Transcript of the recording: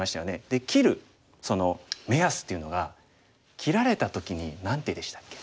で切るその目安っていうのが切られた時に何手でしたっけ？